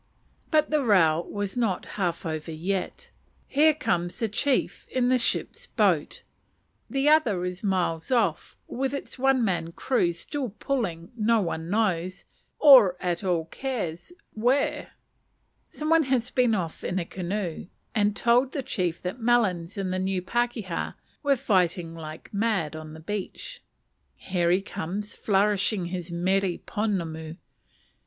But the row is not half over yet. Here comes the chief in the ship's boat. The other is miles off with its one man crew still pulling no one knows, or at all cares, where. Some one has been off in a canoe and told the chief that "Melons" and the "New Pakeha" were fighting like mad on the beach. Here he comes, flourishing his mere ponamu.